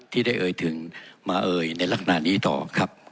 ที่ได้เดินมาเอ่ยท่านในลักษณะนี้ต่อครับ